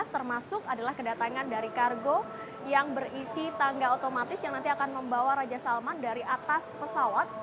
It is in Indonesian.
termasuk adalah kedatangan dari kargo yang berisi tangga otomatis yang nanti akan membawa raja salman dari atas pesawat